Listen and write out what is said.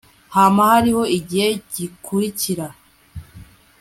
hama hariho igihe gikurikira